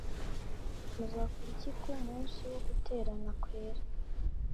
Muzakora iki ku munsi wo guterana kwera